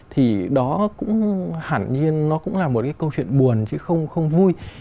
thì đó cũng hẳn nhiên nó cũng là một cái câu chuyện buồn chứ không vui